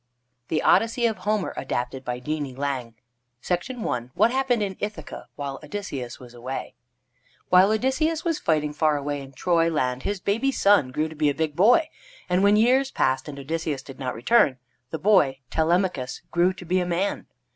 THE ODYSSEY OF HOMER ADAPTED BY JEANIE LANG I WHAT HAPPENED IN ITHACA WHILE ODYSSEUS WAS AWAY While Odysseus was fighting far away in Troyland, his baby son grew to be a big boy. And when years passed and Odysseus did not return, the boy, Telemachus, grew to be a man.